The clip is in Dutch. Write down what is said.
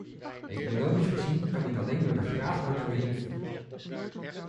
Economisch gezien kan dit alleen door de vraag worden beïnvloed.